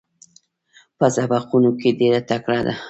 په سبقونو کې ډېره تکړه ده.